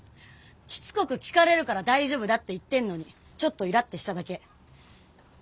しつこく聞かれるから大丈夫だって言ってんのにちょっとイラッてしただけ。